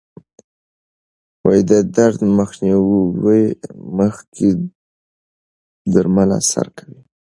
د درد مخنیوي مخکې درمل اثر کوي.